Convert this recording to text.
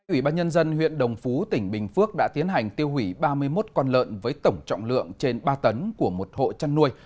ủy ban nhân dân huyện đồng phú tỉnh bình phước đã tiến hành tiêu hủy ba mươi một con lợn với tổng trọng lượng trên ba tấn của một hộ chăn nuôi